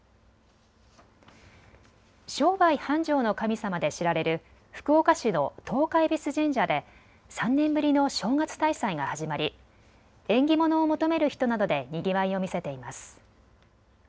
商売繁盛の神様で知られる福岡市の十日恵比須神社で３年ぶりの正月大祭が始まり縁起物を求める人などでにぎわいを見せています。